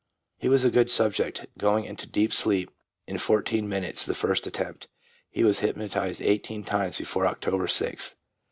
He was a good subject, going into a deep sleep in fourteen minutes the first attempt. He was hypno tized eighteen times before October 6th.